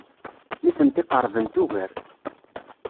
Nitenti qerbent ugar.